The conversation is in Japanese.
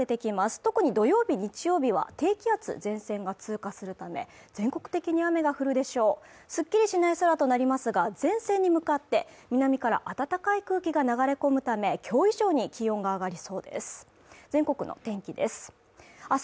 特に土曜日日曜日は低気圧前線が通過するため全国的に雨が降るでしょうすっきりしない空となりますが前線に向かって南から暖かい空気が流れ込むためきょう以上に気温が上がりそうです